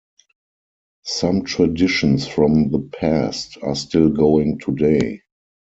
Some traditions from the past are still going today.